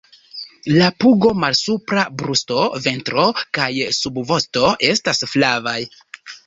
La pugo, malsupra brusto, ventro kaj subvosto estas flavaj.